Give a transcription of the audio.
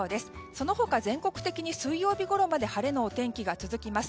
その他、全国的に水曜日ごろまで晴れのお天気が続きます。